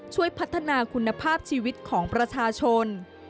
ช่วยพัฒนาคุณภาพชีวิตของประชาชน